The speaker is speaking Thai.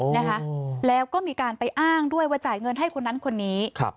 นะคะแล้วก็มีการไปอ้างด้วยว่าจ่ายเงินให้คนนั้นคนนี้ครับ